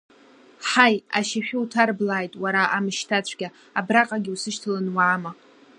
Ҳаи, ашьашәы уҭарблааит, уара амышьҭацәгьа, абраҟагьы усышьҭаланы уаама!